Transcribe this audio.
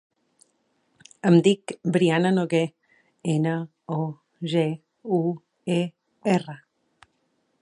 Em dic Brianna Noguer: ena, o, ge, u, e, erra.